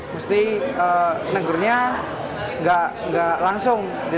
mesti menegurnya nggak langsung